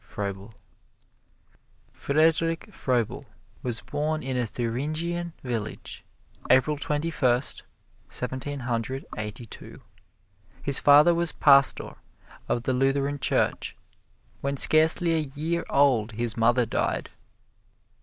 Froebel FRIEDRICH FROEBEL Friedrich Froebel was born in a Thuringian village, April Twenty first, Seventeen Hundred Eighty two. His father was pastor of the Lutheran Church. When scarcely a year old his mother died.